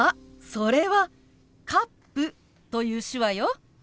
それは「カップ」という手話よ。